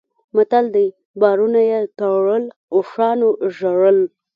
متل دی: بارونه یې تړل اوښانو ژړل.